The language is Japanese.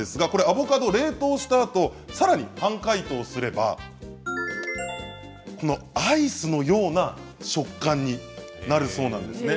アボカドは冷凍したあとさらに半解凍すればアイスのような食感になるそうなんです。